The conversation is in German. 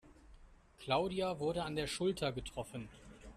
Claudia wurde an der Schulter getroffen.